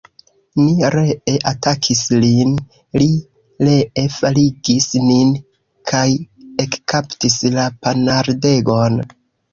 Ni ree atakis lin, li ree faligis nin kaj ekkaptis la ponardegon.